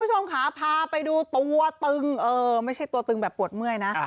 คุณผู้ชมค่ะพาไปดูตัวตึงเออไม่ใช่ตัวตึงแบบปวดเมื่อยนะ